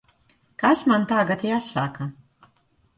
Kas man tagad jāsaka?